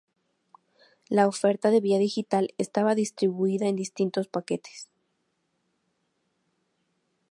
La oferta de Vía Digital estaba distribuida en distintos paquetes.